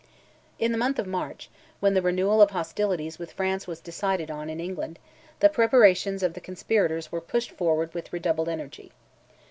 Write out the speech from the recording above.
In the month of March, when the renewal of hostilities with France was decided on in England, the preparations of the conspirators were pushed forward with redoubled energy.